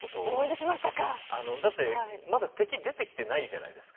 あのだってまだ敵出てきてないじゃないですか。